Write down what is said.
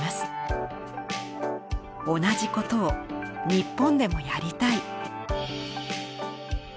同じことを日本でもやりたい。